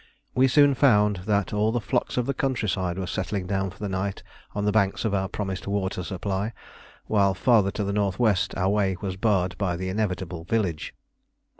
We soon found that all the flocks of the countryside were settling down for the night on the banks of our promised water supply, while farther to the north west our way was barred by the inevitable village.